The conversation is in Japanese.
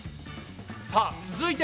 さあ続いてはす